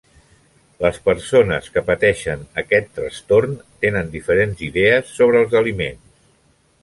Les persones que pateixen aquest trastorn tenen diferents idees sobre els aliments.